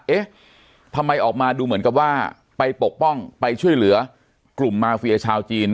เอ๊ะทำไมออกมาดูเหมือนกับว่าไปปกป้องไปช่วยเหลือกลุ่มมาเฟียชาวจีน